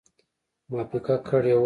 موافقه کړې وه.